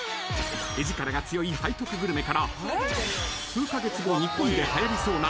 ［画力が強い背徳グルメから数カ月後日本ではやりそうな］